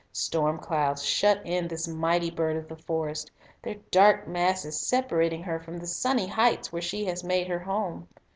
Storm clouds shut in this mighty bird of the forest, their dark masses separating her from the sunny heights where she has made her home.